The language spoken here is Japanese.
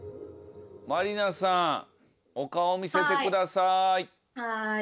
まりなさんお顔見せてください。